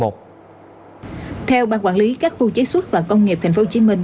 theo ban quản lý các khu chế xuất và công nghiệp tp hcm